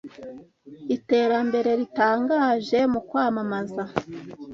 Iterambere ritangaje mu kwamamaza